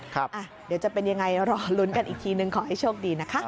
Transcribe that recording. เดี๋ยวจะเป็นยังไงรอลุ้นกันอีกทีนึงขอให้โชคดีนะคะ